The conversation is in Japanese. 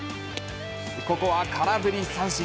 ここは空振り三振。